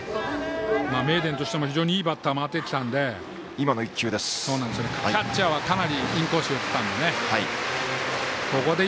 名電としても非常にいいバッター回ってきたのでキャッチャーはかなりインコースに寄ってたので。